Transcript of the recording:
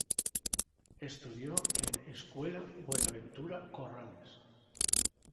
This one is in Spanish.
Estudió en Escuela Buenaventura Corrales.